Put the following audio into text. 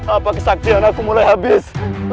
apa kesaktian aku mulai habis